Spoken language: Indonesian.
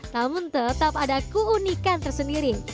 namun tetap ada keunikan tersendiri